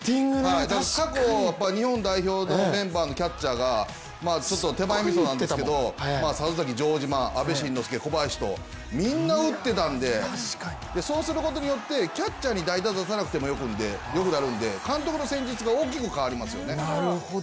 過去、日本代表のメンバーのキャッチャーが手前みそなんですけど里崎、城島阿部慎之助、小林とみんな打ってたのでそうすることによってキャッチャーに代打を出さなくてもよくなるので、監督の戦術が大きく変わりますよね。